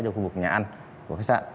cho khu vực nhà ăn của khách sạn